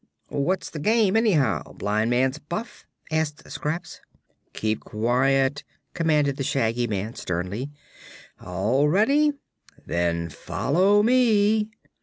"What's the game, anyhow blind man's buff?" asked Scraps. "Keep quiet!" commanded the Shaggy Man, sternly. "All ready? Then follow me."